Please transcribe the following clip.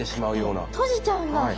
閉じちゃうんだ。